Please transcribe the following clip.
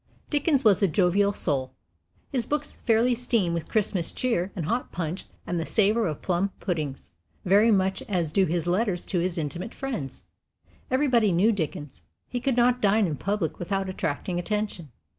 Dickens was a jovial soul. His books fairly steam with Christmas cheer and hot punch and the savor of plum puddings, very much as do his letters to his intimate friends. Everybody knew Dickens. He could not dine in public without attracting attention.